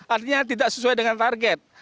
artinya tidak sesuai dengan target